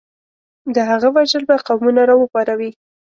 د هغه وژل به قومونه راوپاروي.